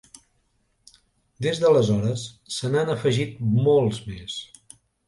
Des d'aleshores se n'han afegit molts més.